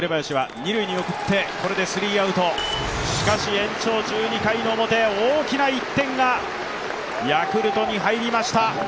延長１２回の表、大きな１点がヤクルトに入りました。